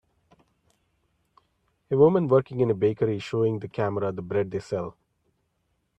A woman working in a bakery is showing the camera the bread they sell.